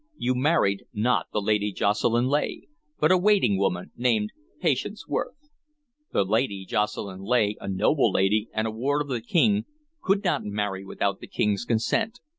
"You married, not the Lady Jocelyn Leigh, but a waiting woman named Patience Worth. The Lady Jocelyn Leigh, a noble lady, and a ward of the King, could not marry without the King's consent.